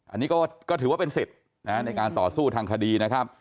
อันนี้ก็ถือว่าเป็นสิทธิ์ในการต่อสู้ทางคดีนะครับ